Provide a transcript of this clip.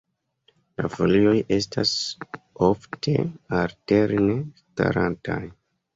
La folioj estas ofte alterne starantaj.